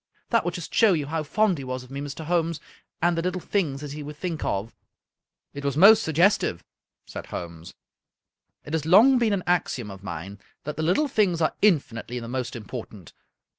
That will just show you how fond he was of me, Mr. Holmes, and the little things that he would think of." 48 A. Conan Doyle " It was most suggestive/' said Holmes. " It has long been an axiom of mine that the little things are infinitely the most important.